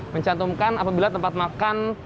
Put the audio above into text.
mencantumkan apabila tempat makan